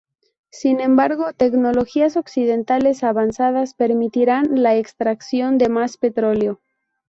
Sin embargo, tecnologías occidentales avanzadas permitirán la extracción de más petróleo.